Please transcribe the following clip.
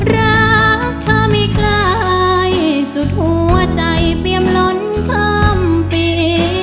รักเธอไม่คล้ายสุดหัวใจเปรียมล้นข้ามปี